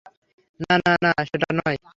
না, না, না, সেটা নয়।